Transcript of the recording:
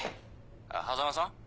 あっ波佐間さん？